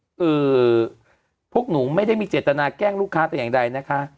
คือพวกหนูไม่ได้มีเจตนาแกล้งลูกค้าแต่อย่างใดนะคะ